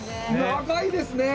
長いですね！